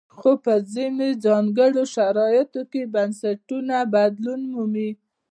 خو په ځینو ځانګړو شرایطو کې بنسټونه بدلون مومي.